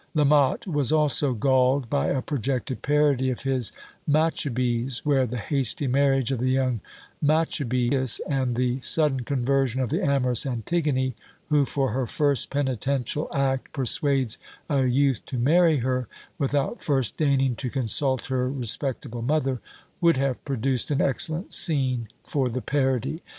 La Motte was also galled by a projected parody of his "Machabees" where the hasty marriage of the young Machabeus, and the sudden conversion of the amorous Antigone, who, for her first penitential act, persuades a youth to marry her, without first deigning to consult her respectable mother, would have produced an excellent scene for the parody.